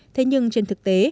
thế nhưng trên thực tế